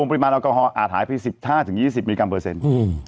ปริมาณแอลกอฮอล์อาถายไป๑๕๒๐มิลลิกรัมเปอร์เซ็นต์